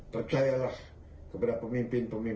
percayalah kepada pemimpin pemimpinmu